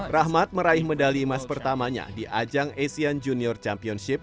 rahmat meraih medali emas pertamanya di ajang asian junior championship